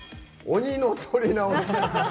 鬼の録り直し。